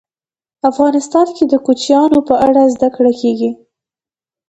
افغانستان کې د کوچیانو په اړه زده کړه کېږي.